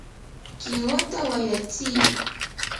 ¡kinwata wayratsiy!